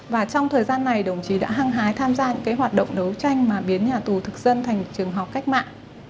và trong thời gian này đồng chí đã hăng hái tham gia những cái hoạt động đấu tranh mà biến nhà tù thực dân thành trường học cách mạng